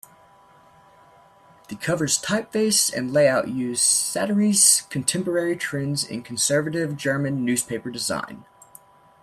The cover's typeface and layout used satirise contemporary trends in conservative German newspaper design.